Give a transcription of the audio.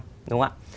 đúng không ạ